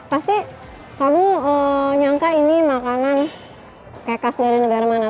pasti kamu nyangka ini makanan kayak khas dari negara mana